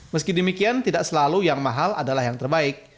meski demikian tidak selalu yang mahal adalah yang terbaik